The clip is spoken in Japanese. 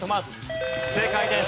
正解です。